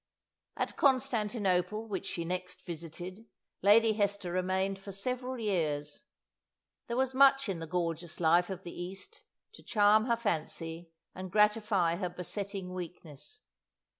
At Constantinople, which she next visited, Lady Hester remained for several years. There was much in the gorgeous life of the East to charm her fancy and gratify her besetting weakness.